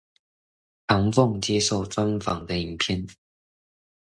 唐鳳接受專訪的影片